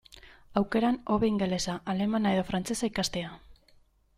Aukeran, hobe ingelesa, alemana edo frantsesa ikastea.